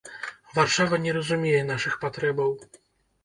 Варшава не разумее нашых патрэбаў!